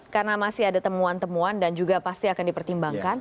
karena masih ada temuan temuan dan juga pasti akan dipertimbangkan